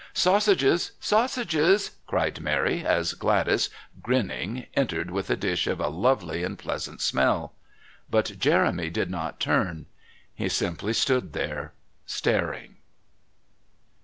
"Sausages. Sausages!" cried Mary, as Gladys, grinning, entered with a dish of a lovely and pleasant smell. But Jeremy did not turn. He simply stood there staring.